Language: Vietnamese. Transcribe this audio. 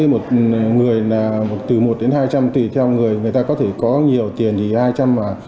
một người là từ một đến hai trăm linh tùy theo người người ta có thể có nhiều tiền thì hai trăm linh mà